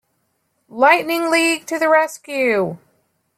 Lightning League to the rescue!